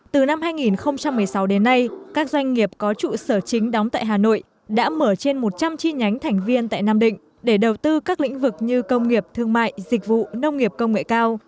từ năm hai nghìn một mươi sáu đến nay các doanh nghiệp có trụ sở chính đóng tại hà nội đã mở trên một trăm linh chi nhánh thành viên tại nam định để đầu tư các lĩnh vực như công nghiệp thương mại dịch vụ nông nghiệp công nghệ cao